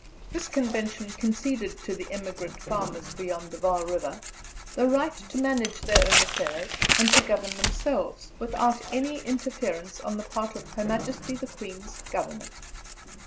This Convention conceded to "the emigrant farmers beyond the Vaal River" "the right to manage their own affairs and to govern themselves, without any interference on the part of Her Majesty the Queen's Government."